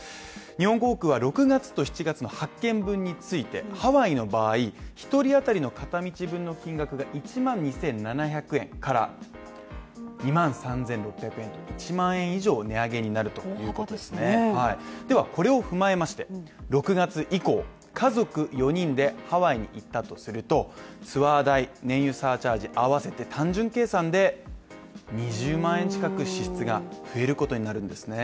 日本航空は６月と７月の発券分について、ハワイの場合、１人当たりの片道分の金額が１万２７００円から２万３６００円、１万円以上値上げになるということですねではこれを踏まえまして、６月以降、家族４人でハワイに行ったとすると、ツアー代、燃油サーチャージ合わせて単純計算で２０万円近く支出が増えることになるんですね